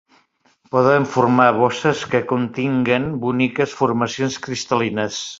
Poden formar bosses que continguen boniques formacions cristal·lines.